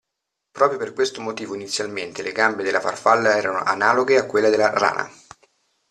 Proprio per questo motivo inizialmente le gambe della farfalla erano analoghe a quelle della rana.